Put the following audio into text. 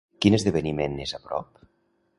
Quin esdeveniment és a prop?